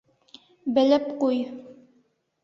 Белеп ҡуй!